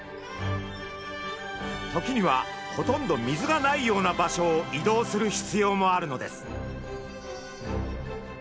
時にはほとんど水がないような場所を移動する必要もあるのです。